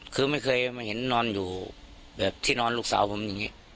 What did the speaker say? คือไม่เคยมาเห็นนอนอยู่แบบที่นอนลูกสาวผมอย่างนี้